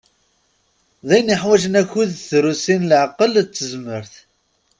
D ayen iḥwaǧen akud d trusi n leɛqel d tezmert.